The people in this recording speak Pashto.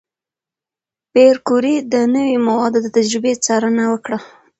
پېیر کوري د نوې موادو د تجربې څارنه وکړه.